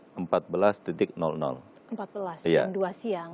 empat belas jam dua siang